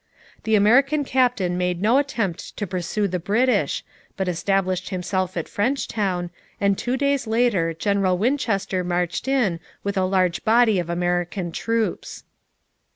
The American captain made no attempt to pursue the British, but established himself at Frenchtown, and two days later General Winchester marched in with a large body of American troops.